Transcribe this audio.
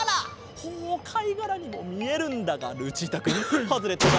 ほうかいがらにもみえるんだがルチータくんハズレットだ！